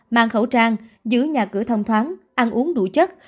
mang khẩu trang giữ nhà cửa thông thoáng ăn uống đủ chất